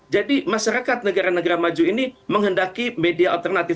jadi masyarakat negara negara maju ini menghendaki media alternatif